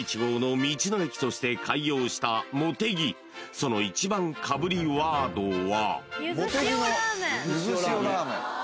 ［その１番かぶりワードは］